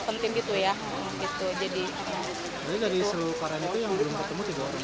jadi dari seluruh koran itu yang belum ketemu tiga orang